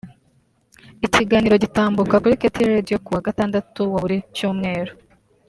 ikiganiro gitambuka kuri Kt Radio kuwa gatandatu wa buri cyumweru